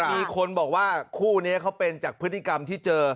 มีคนบอกว่าคู่นี้เขาเป็นจากพฤติกรรมที่เจอ